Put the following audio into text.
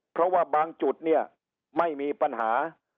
เพราะว่าบางจุดเนี่ยไม่มีปัญหา